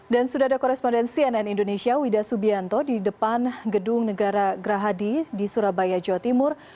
dan sudah ada korespondensi ann indonesia wida subianto di depan gedung negara grahadi di surabaya jawa timur